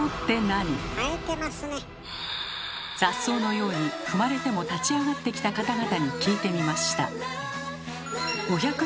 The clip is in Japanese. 雑草のように踏まれても立ち上がってきた方々に聞いてみました。